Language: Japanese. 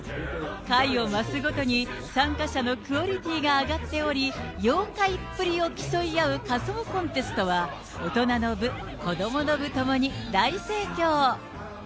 回を増すごとに参加者のクオリティーが上がっており、妖怪っぷりを競い合う仮装コンテストは、大人の部、子どもの部ともに大盛況。